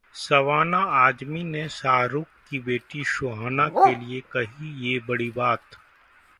शबाना आजमी ने शाहरुख की बेटी सुहाना के लिए कही ये बड़ी बात